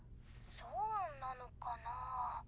そうなのかなぁ。